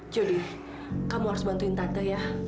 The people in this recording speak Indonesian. judi kamu harus bantuin tante ya